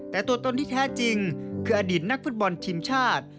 แต่ตัวตนที่แท้จริงคืออดีตนักฟุตบอลทีมชาติ